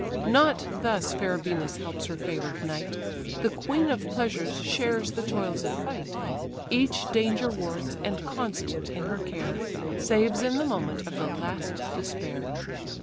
Not thus fair Venus helps her favour'd knight, The queen of pleasures shares the toils of fight, Each danger wards, and constant in her care, Saves in the moment of the last despair.